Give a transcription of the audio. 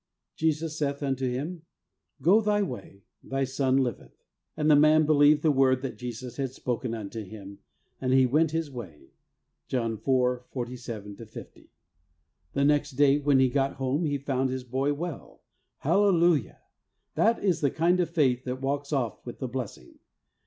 Jesus saith unto him. Go thy way; thy son liveth. And the man believed the word that Jesus had spoken unto him, and he went his w'ay ' (John iv. 47 50). The next day when he got home he found his boy well. Hallelujah ! That is the kind of faith that walks off with the blessing.